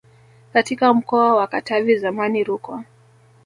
katika mkoa wa Katavi zamani Rukwa